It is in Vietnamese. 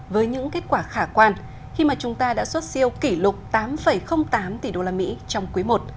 với những kết quả khả quan khi mà chúng ta đã xuất siêu kỷ lục tám tám tỷ usd trong quý i